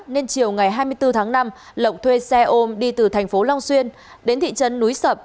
nên chiều ngày hai mươi bốn tháng năm lộc thuê xe ôm đi từ thành phố long xuyên đến thị trấn núi sập